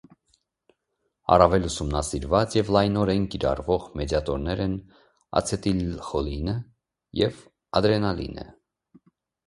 Առավել ուսումնասիրված և լայնորեն կիրառվող մեդիատորներ են ացետիլխոլինը և ադրենալինը։